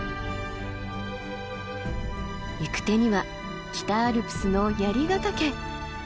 行く手には北アルプスの槍ヶ岳。